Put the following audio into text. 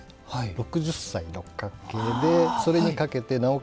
６０歳六角形でそれに掛けてなおかつ